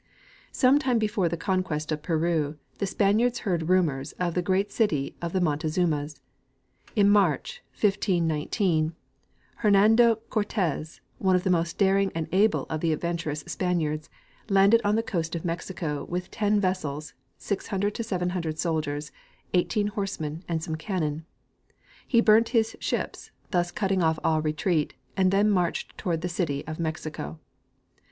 Some time before the conquest of Peru, the Spaniards heard rumors of the great city of the Montezumas. In March. 1519, Hernando Cortez, one of the most daring and able of the adventur ous Spaniards, landed on the coast of Mexico with ten vessels, 600 to 700 soldiers, 18 horsemen and some cannon. He burnt his ships, thus cutting off all retreat, and then marched toward the city of Mexico.